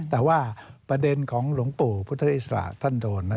แต่ว่าประเด็นของหลวงปู่พุทธอิสระท่านโดน